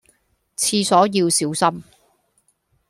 廁所要小心